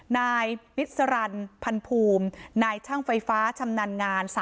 นายมิสรันพันภูมินายช่างไฟฟ้าชำนาญงาน